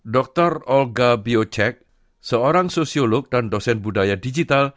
dr olga biocek seorang sosiolog dan dosen budaya digital